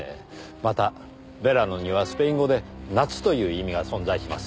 またヴェラノにはスペイン語で「夏」という意味が存在します。